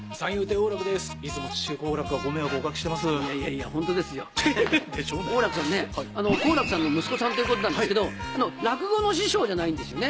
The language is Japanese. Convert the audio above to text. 王楽さんね好楽さんの息子さんということなんですけど落語の師匠じゃないんですよね